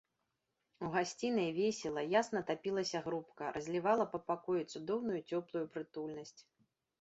У гасцінай весела, ясна тапілася грубка, разлівала па пакоі цудоўную цёплую прытульнасць.